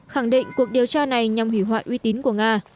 khẳng định cuộc điều tra này nhằm hủy hoại uy tín của nga